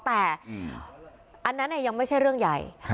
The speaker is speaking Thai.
แต่อันนั้นยังไม่ใช่เรื่องใหญ่